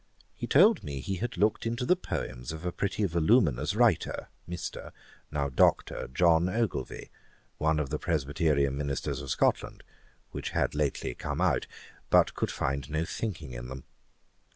He told me he had looked into the poems of a pretty voluminous writer, Mr. (now Dr.) John Ogilvie, one of the Presbyterian ministers of Scotland, which had lately come out, but could find no thinking in them.